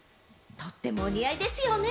とってもお似合いですよね。